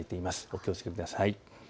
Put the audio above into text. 気をつけてください。